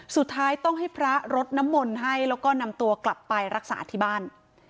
สุดท้ายต้องให้พระรดน้ำมนต์ให้แล้วก็นำตัวกลับไปรักษาที่บ้าน